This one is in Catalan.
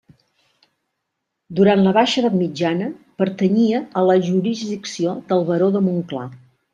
Durant la baixa edat mitjana pertanyia a la jurisdicció del baró de Montclar.